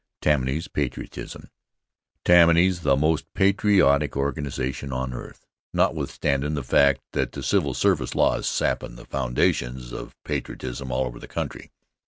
Tammany's Patriotism TAMMANY's the most patriotic organization on earth, notwithstandin' the fact that the civil service law is sappin' the foundations of patriotism all over the country.